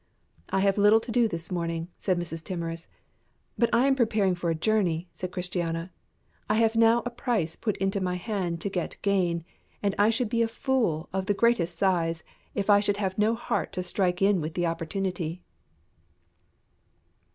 "I have little to do this morning," said Mrs. Timorous. "But I am preparing for a journey," said Christiana. "I have now a price put into my hand to get gain, and I should be a fool of the greatest size if I should have no heart to strike in with the opportunity."